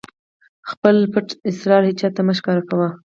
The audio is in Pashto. خپل پټ اسرار هېچاته هم مه ښکاره کوئ!